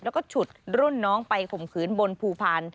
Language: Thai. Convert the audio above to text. แล้วก็ฉุดรุ่นน้องไปข่มขืนบนภูพาล